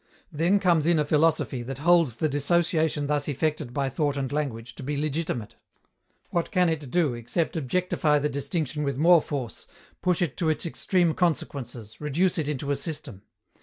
Then comes in a philosophy that holds the dissociation thus effected by thought and language to be legitimate. What can it do, except objectify the distinction with more force, push it to its extreme consequences, reduce it into a system?